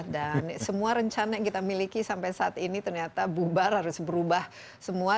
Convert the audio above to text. dan semua rencana yang kita miliki sampai saat ini ternyata bubar harus berubah semua